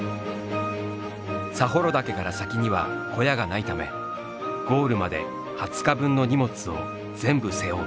佐幌岳から先には小屋がないためゴールまで２０日分の荷物を全部背負う。